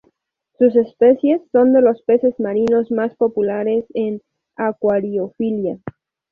Sus especies son de los peces marinos más populares en acuariofilia.